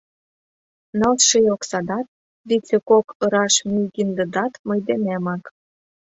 Ныл ший оксадат, витле кок ыраш мӱйгиндыдат мый денемак.